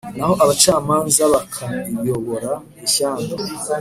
naho abacamanza bakayobora ishyanga